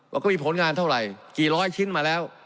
ว่าก็มีผลงานเท่าไหร่กี่ร้อยชิ้นมาแล้ว